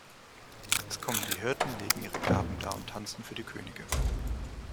Es kommen die Hirten, legen ihre Gaben dar und tanzen für die Könige.